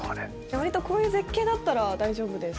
割とこういう絶景だったら大丈夫です。